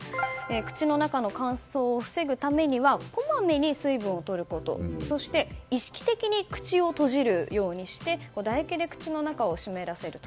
口の中の乾燥を防ぐためにはこまめに水分を取ることそして意識的に口を閉じるようにして唾液で口の中を湿らせると。